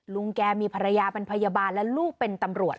ลุงแกมีภรรยาเป็นพยาบาลและลูกเป็นตำรวจ